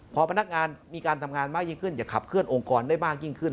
พอพนักงานมีการทำงานมากยิ่งขึ้นจะขับเคลื่อองค์กรได้มากยิ่งขึ้น